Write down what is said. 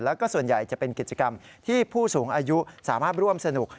แล้วก็ส่วนใหญ่จะเป็นกิจกรรมที่ผู้สูงอายุสามารถร่วมสนุก